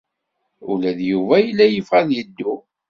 Ula d Yuba yella yebɣa ad yeddu.